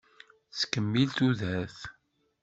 Tettkemmil tudert.